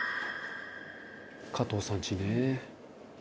「加藤さんちね」